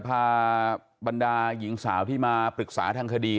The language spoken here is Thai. บรรดาหญิงสาวที่มาปรึกษาทางคดี